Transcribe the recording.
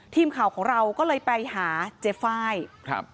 ทีมข่าวของเราก็เลยไปหาเจ๊ไฟล์ครับ